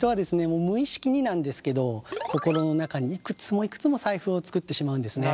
もう無意識になんですけど心の中にいくつもいくつも財布を作ってしまうんですね。